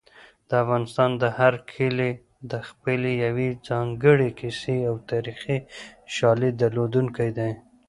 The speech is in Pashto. د افغانستان هر کلی د خپلې یوې ځانګړې کیسې او تاریخي شاليد درلودونکی دی.